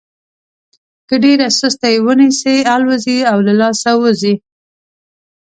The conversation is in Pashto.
که ډېره سسته یې ونیسئ الوزي او له لاسه وځي.